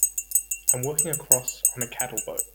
I'm working across on a cattle boat.